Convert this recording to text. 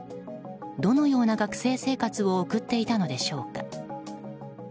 どのような学生生活を送っていたのでしょうか。